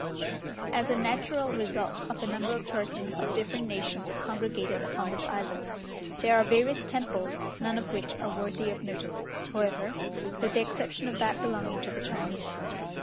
As a natural result of the number of persons of different nations congregated upon this island, there are various temples, none of which are worthy of notice, however, with the exception of that belonging to the Chinese.